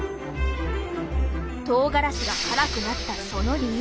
とうがらしが辛くなったその理由。